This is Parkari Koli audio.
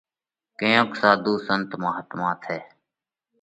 ڪيونڪ ساڌُو سنت مهاتما ٿئه